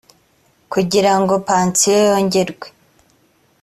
kugira ngo pansiyo yongerwe